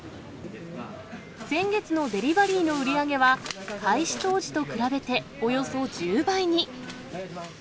先月のデリバリーの売り上げは、開始当時と比べておよそ１０倍に。